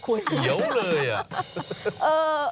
โหวเหี้ยวเลยอ่ะ